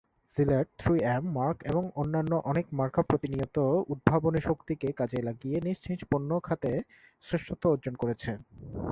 JELET, three M, Merck, এবং অন্যান্য অনেক মার্কা প্রতিনিয়ত উদ্ভাবনী শক্তিকে কাজে লাগিয়ে নিজ নিজ পণ্য খাতে শ্রেষ্ঠত্ব অর্জন করেছে।